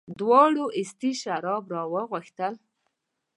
دواړو استي شراب راوغوښتل.